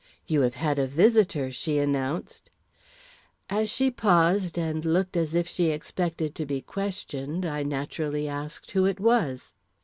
"You have had a visitor," she announced. As she paused and looked as if she expected to be questioned, I naturally asked who it was.